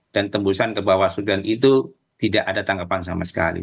tembusan ke bawah sugan itu tidak ada tanggapan sama sekali